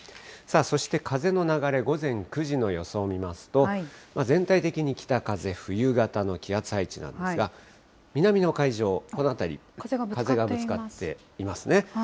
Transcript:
さあ、そして風の流れ、午前９時の予想を見ますと、全体的に北風、冬型の気圧配置なんですが、南の海上、この辺り、風がぶつかっていますね。